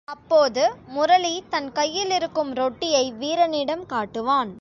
அப்போது முரளி தன் கையிலிருக்கும் ரொட்டியை வீரனிடம் காட்டுவான்.